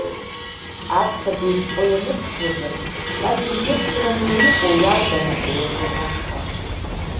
Ахԥатәи ишәҟәы ианымԥшуазар, нас изныԥшраны иҟоу иарбан апеот иҟәышра.